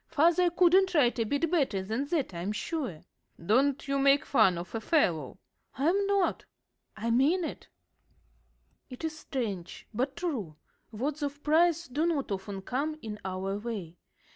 Father couldn't write a bit better than that, I'm sure." "Don't you make fun of a fellow." "I'm not. I mean it." [Illustration: "I mean it."] It is strange, but true, words of praise do not often come in our way.